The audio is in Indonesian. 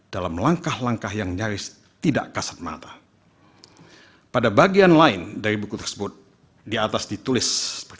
dalam langkah langkah yang nyaris tidak kasat mata pada bagian lain dari buku tersebut di atas ditulis